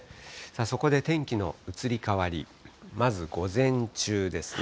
そこで天気の移り変わり、まず午前中ですね。